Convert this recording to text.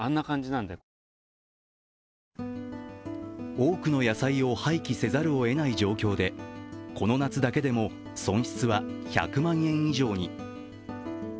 多くの野菜を廃棄せざるを得ない状況でこの夏だけでも損失は１００万円以上に。